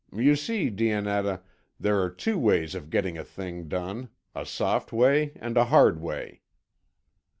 You see, Dionetta, there are two ways of getting a thing done, a soft way and a hard way."